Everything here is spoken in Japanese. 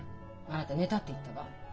あなた「寝た」って言ったわ。